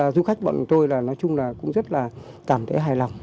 du khách bọn tôi là nói chung là cũng rất là cảm thấy hài lòng